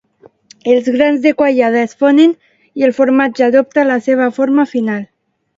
Els grans de quallada es fonen i el formatge adopta la seva forma final.